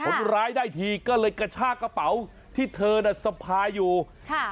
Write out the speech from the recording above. คนร้ายได้ทีก็เลยกระชากระเป๋าที่เธอน่ะสะพายอยู่ค่ะ